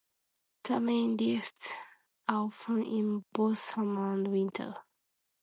The main lifts are open in both summer and winter.